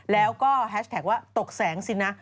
แล้วก็แฮชแท็กว่าตกแสงสินะ